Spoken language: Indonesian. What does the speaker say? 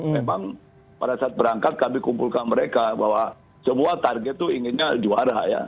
memang pada saat berangkat kami kumpulkan mereka bahwa semua target tuh inginnya juara ya